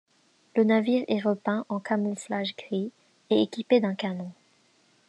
Le navire est repeint en camouflage gris et équipé d'un canon.